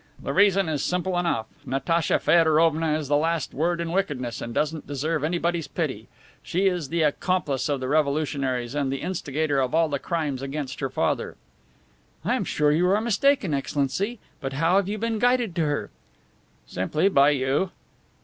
"The reason is simple enough. Natacha Feodorovna is the last word in wickedness and doesn't deserve anybody's pity. She is the accomplice of the revolutionaries and the instigator of all the crimes against her father." "I am sure that you are mistaken, Excellency. But how have you been guided to her?" "Simply by you."